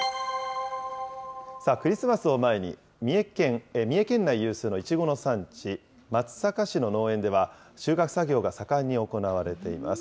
クリスマスを前に、三重県内有数のいちごの産地、松阪市の農園では、収穫作業が盛んに行われています。